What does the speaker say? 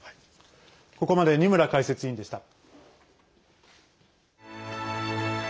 ここまで二村解説委員でした。